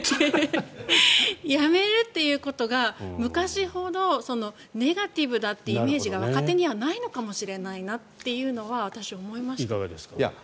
辞めるということが、昔ほどネガティブだというイメージが若手にはないのかもしれないなっていうのは私、思いました。